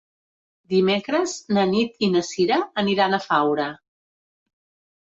Dimecres na Nit i na Sira aniran a Faura.